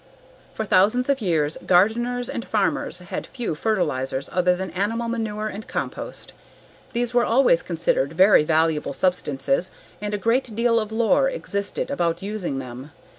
For thousands of years gardeners and farmers had few fertilizers other than animal manure and compost. These were always considered very valuable substances and a great deal of lore existed about using them.